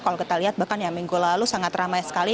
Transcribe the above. kalau kita lihat bahkan ya minggu lalu sangat ramai sekali